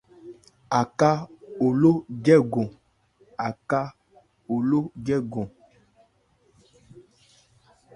Aká oló jɛ́gɔn.